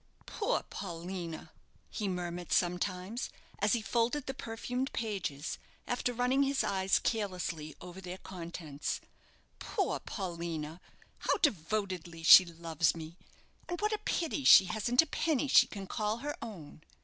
"Poor Paulina!" he murmured sometimes, as he folded the perfumed pages, after running his eyes carelessly over their contents; "poor Paulina! how devotedly she loves me. And what a pity she hasn't a penny she can call her own.